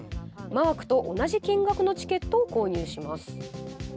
マークと同じ金額のチケットを購入します。